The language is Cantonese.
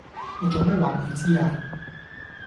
你做咩話佢知呀